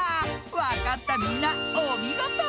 わかったみんなおみごと。